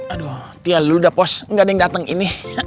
aduh tia lu udah post gak ada yang datang ini